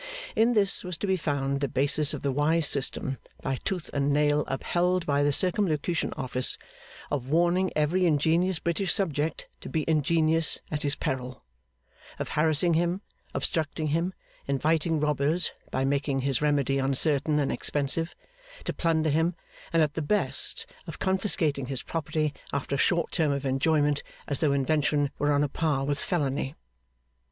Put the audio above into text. In this was to be found the basis of the wise system, by tooth and nail upheld by the Circumlocution Office, of warning every ingenious British subject to be ingenious at his peril: of harassing him, obstructing him, inviting robbers (by making his remedy uncertain, and expensive) to plunder him, and at the best of confiscating his property after a short term of enjoyment, as though invention were on a par with felony.